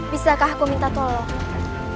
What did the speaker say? bisa kah aku minta tolong